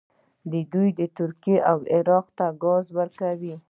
دوی ترکیې او عراق ته ګاز ورکوي.